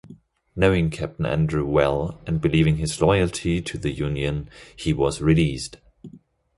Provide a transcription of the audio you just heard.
Knowing Captain Andrew well and believing his loyalty to the Union he was released.